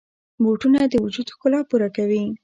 بوټونه د وجود ښکلا پوره کوي.